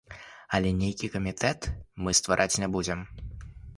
Але нейкі камітэт мы ствараць не будзем.